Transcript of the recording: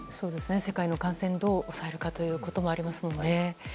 世界の感染をどう抑えるかということもありますもんね。